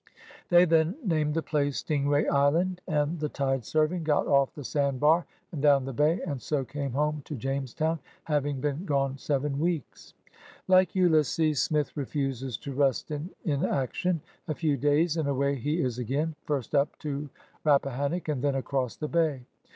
They then named the place Sting ray Island and, the tide serving, got off the sand bar and down the bay, and so came home to Jamestown, having been gone seven weeks. Like Ulysses, Smith refuses to rust in inaction. A few days, and away he is again, first up to Rappahannock, and then across the bay.